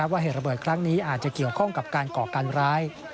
เหตุระเบิดครั้งนี้อาจจะเกี่ยวข้องกับการก่อการร้าย